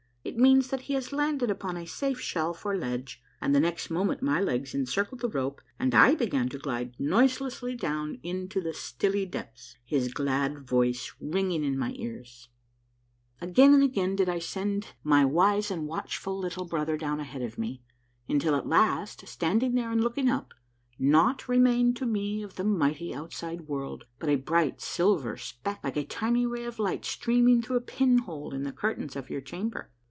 It means that he has landed upon a safe shelf or ledge, and the next moment my legs encircled the rope, and I began to glide noiselessly down into the stilly depths, his glad voice ringing in my ears. 32 A MARVELLOUS UNDERGROUND JOURNEY Again and again did I send niy wise and watchful little brother down ahead of me, until at last, standing there and looking up, naught remained to me of the mighty outside world but a bright silver speck, like a tiny ray of light streaming through a pin hole in the curtains of your chamber.